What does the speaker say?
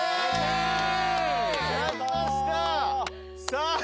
さあ。